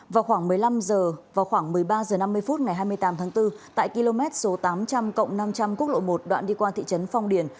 vào khoảng một mươi ba h năm mươi phút ngày hai mươi tám tháng bốn tại km tám trăm linh năm trăm linh quốc lộ một đoạn đi qua thị trấn phong điền